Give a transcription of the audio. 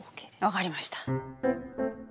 分かりました。